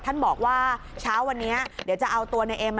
ท่านบอกว่าเช้าวันนี้เดี๋ยวจะเอาตัวในเอ็ม